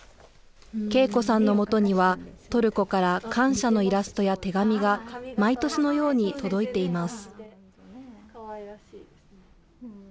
恵子さんの元にはトルコから感謝のイラストや手紙が毎年のように届いています。